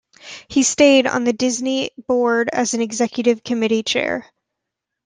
He stayed on the Disney board as executive committee chair.